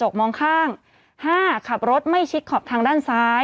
ผู้ต้องหาที่ขับขี่รถจากอายานยนต์บิ๊กไบท์